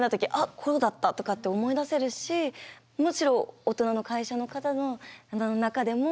こうだったとかって思い出せるしもちろん大人の会社の方の中でも訓練とかある時にね